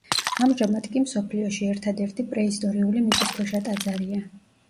ამჟამად კი მსოფლიოში ერთადერთი პრეისტორიული მიწისქვეშა ტაძარია.